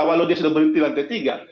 walau dia sudah berhenti lantai tiga